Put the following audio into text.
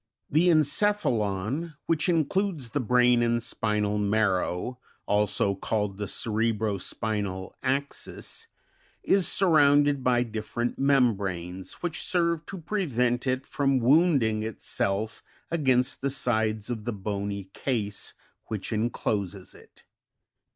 17. The encephalon (which includes the brain and spinal mar row, also called, the cerebrospinal axis,) is surrounded by different membranes, which serve to prevent it from wounding itself against the sides of the bony case which encloses it.